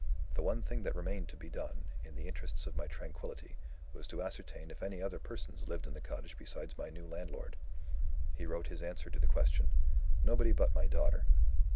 The one thing that remained to be done, in the interests of my tranquillity, was to ascertain if any other persons lived the cottage besides my new landlord. He wrote his answer to the question: 'Nobody but my daughter.'